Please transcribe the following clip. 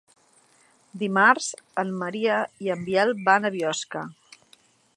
Dimarts en Maria i en Biel van a Biosca.